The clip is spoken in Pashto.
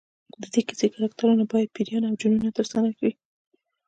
د دې کیسې کرکټرونه باید پیریان او جنونه ترسره کړي.